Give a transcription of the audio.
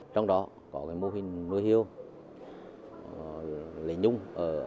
trong đó có cái mô hình nuôi hưu lấy nhung